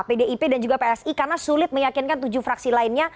pdip dan juga psi karena sulit meyakinkan tujuh fraksi lainnya